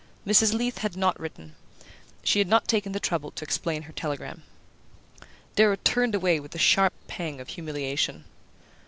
Mrs. Leath had not written she had not taken the trouble to explain her telegram. Darrow turned away with a sharp pang of humiliation.